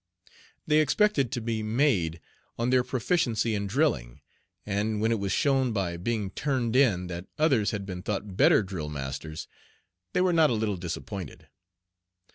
They expected to be "made" on their proficiency in drilling, and when it was shown by being "turned in" that others had been thought better drill masters, they were not a little disappointed.